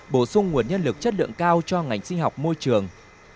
bổ sung nguồn nhân lực chất lượng cao cho ngành sinh học môi trường